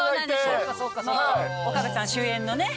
岡部さん主演のね。